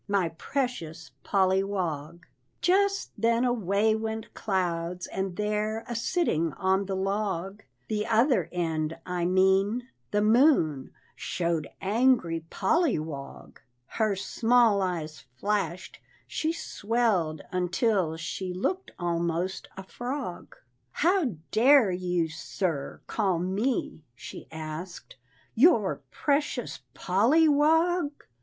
My precious Polly Wog!" Just then away went clouds, and there A sitting on the log The other end I mean the moon Showed angry Polly Wog. Her small eyes flashed, she swelled until She looked almost a frog; "How dare you, sir, call me," she asked, "Your precious Polly Wog?